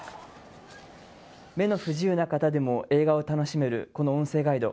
目の不自由な人でも映画を楽しめるこの音声ガイド。